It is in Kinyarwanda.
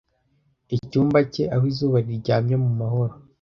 icyumba cye aho izuba riryamye mu mahoro